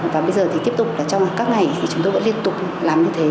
và bây giờ thì tiếp tục là trong các ngày thì chúng tôi vẫn liên tục làm như thế